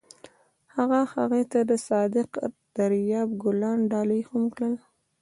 هغه هغې ته د صادق دریاب ګلان ډالۍ هم کړل.